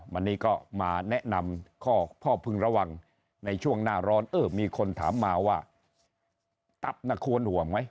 วันนี้ก็มาแนะนำข้อพึงระวังในช่วงหน้าร้อนเออมีคนถามมาว่าตับน่ะควรห่วงไหม